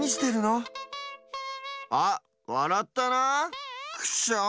あっわらったなクッショーン！